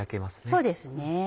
そうですね。